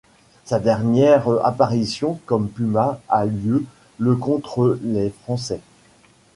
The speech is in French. Sa dernière apparition comme Puma a lieu le contre les Français.